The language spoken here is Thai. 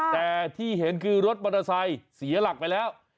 แต่ที่เห็นคือรถมอเตอร์ไซค์เสียหลักไปแล้ว